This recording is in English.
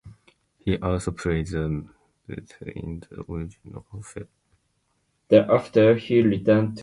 He also played the butler in the original Ferrero Rocher Ambassador's reception advert.